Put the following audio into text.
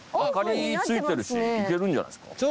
灯りついてるし行けるんじゃないですか。